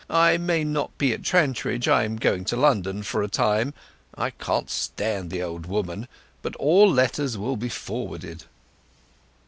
I may not be at Trantridge—I am going to London for a time—I can't stand the old woman. But all letters will be forwarded."